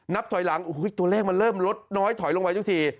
ถอยหลังโอ้โหตัวเลขมันเริ่มลดน้อยถอยลงไปทุกที